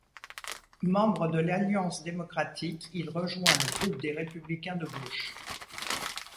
Membre de l'Alliance démocratique, il rejoint le groupe des Républicains de gauche.